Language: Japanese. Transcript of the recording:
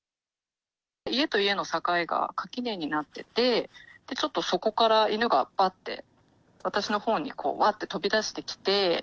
家と家の境が垣根になってて、ちょっとそこから、犬がばって、私のほうにわって飛び出してきて。